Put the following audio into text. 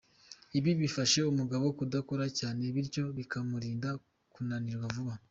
Ibi bifasha umugabo kudakora cyane bityo bikamurinda kunanirwa vuba.